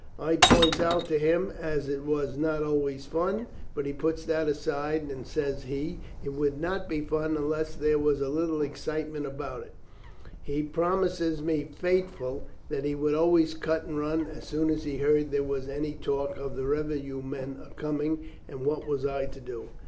I points out to him as it was not always fun, but he puts that aside, and, says he, it would not be fun unless there was a little excitement about it. He promised me faithful that he would always cut and run as soon as he heard there was any talk of the revenue men a coming, and what was I to do?